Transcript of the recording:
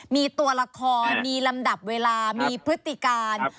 มีตัวละครมีลำดับเวลามีพฤติการ